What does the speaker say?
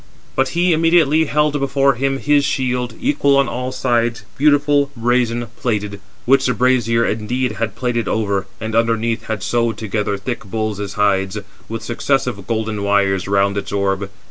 But he immediately held before him his shield, equal on all sides, beautiful, brazen, plated; which the brazier indeed had plated over, and underneath had sewed together thick bulls' hides, with successive golden wires round its orb.